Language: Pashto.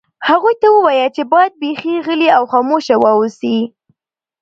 هغوی ته ووایه چې باید بیخي غلي او خاموشه واوسي